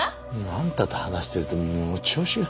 あんたと話してるともう調子が。